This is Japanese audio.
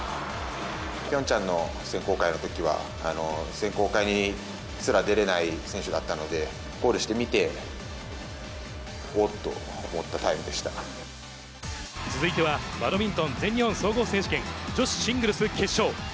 ピョンチャンの選考会のときは、選考会にすら出れない選手だったので、ゴールしてみて、続いては、バドミントン全日本総合選手権女子シングルス決勝。